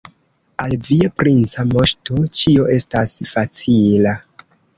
Al via princa moŝto ĉio estas facila.